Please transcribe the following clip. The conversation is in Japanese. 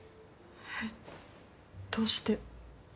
えっどうして？